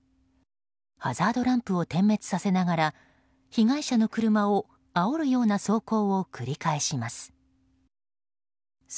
ハザードランプを点滅させながら被害者の車をあおるような走行を繰り返します。